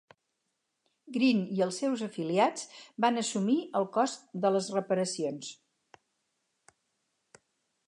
Green i els seus afiliats van assumir el cost de les reparacions.